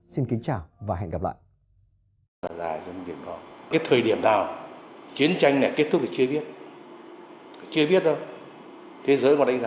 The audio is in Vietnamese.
xin kính chào